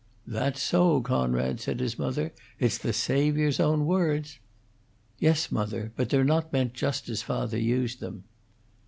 "That's so, Coonrod," said his mother. "It's the Saviour's own words." "Yes, mother. But they're not meant just as father used them."